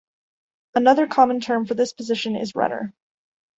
Another common term for this position is "runner".